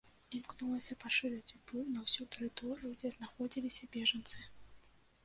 Імкнулася пашырыць уплыў на ўсю тэрыторыю, дзе знаходзіліся бежанцы.